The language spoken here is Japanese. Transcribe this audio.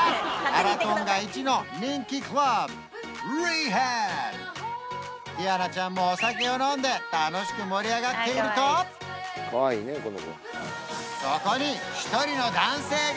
ラロトンガ一の人気クラブリハブティアナちゃんもお酒を飲んで楽しく盛り上がっているとそこに１人の男性が！